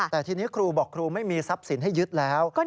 แต่ทีนี้ครูบอกครูไม่มีทรัพย์สินให้ยึดแล้ว